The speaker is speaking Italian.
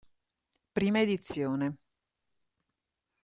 Prima Edizione